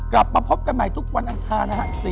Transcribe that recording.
กลับมาพบกันใหม่ทุกวันอังคารนะฮะ